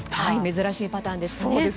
珍しいパターンですね。